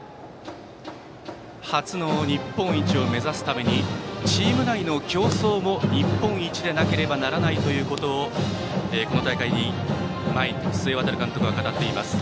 初の日本一を目指すためにチーム内の競争も日本一でなければならないとこの大会の前に須江監督は語っています。